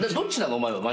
お前は。